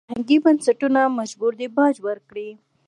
فرهنګي بنسټونه مجبور دي باج ورکړي.